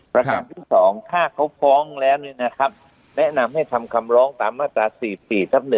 ประกันที่๒ถ้าเขาฟ้องแล้วแนะนำให้ทำคำร้องตามมาตรา๔๔ทับ๑